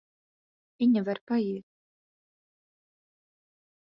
Viņa var paiet.